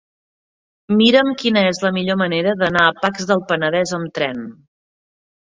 Mira'm quina és la millor manera d'anar a Pacs del Penedès amb tren.